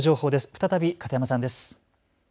再び片山さんです。